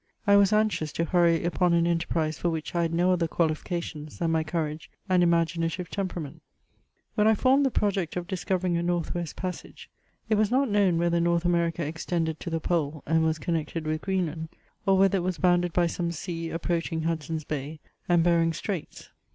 I was anxious to hurry upon an en terprise for which I had no other qualifications than my courage anl^imaginadye temperament. ^^ 260 MEMOIRS OF When I foTined the project of discoreriog a North west passage, it was not known whether North America extended to the Pole, and was connected with Greenland, or whether it was bounded by some sea approaching Hudson's Bay, and Behring's Straits.